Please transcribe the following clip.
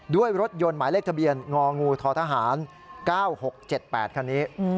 ด้วยรถยนต์หมายเลขทะเบียนงองูททหาร๙๖๗๘คันนี้